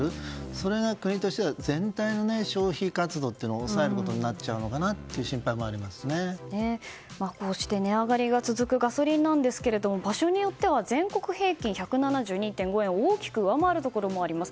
それが国としては全体の消費活動を抑えることになっちゃうのかなというこうして値上がりが続くガソリンですが場所によっては全国平均１７２．５円を大きく上回るところもあります。